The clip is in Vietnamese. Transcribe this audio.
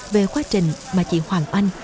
về quá trình mà chị hoàng anh